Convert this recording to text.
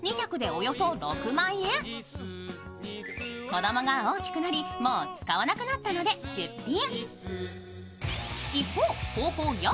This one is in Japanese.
子供が大きくなり、もう使わなくなったので出品。